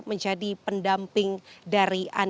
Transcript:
menjadi pendamping dari anies